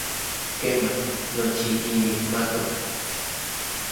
Kema, nochi yinikmatok.